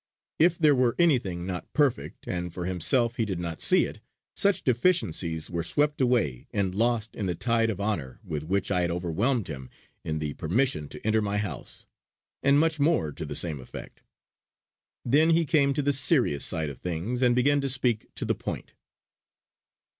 If there were anything not perfect, and for himself he did not see it, such deficiencies were swept away and lost in the tide of honour with which I had overwhelmed him in the permission to enter my house; and much more to the same effect. Then he came to the serious side of things and began to speak to the point.